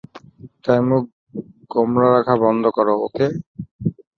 তাই মুখ গোমড়া রাখা বন্ধ করো, ওকে?